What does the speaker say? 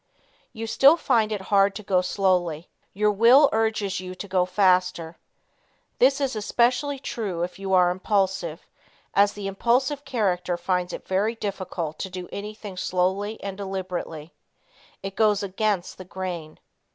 You still find it hard to go slowly. Your will urges you to go faster. This is especially true if you are impulsive, as the impulsive character finds it very difficult to do anything slowly and deliberately. It goes against the "grain."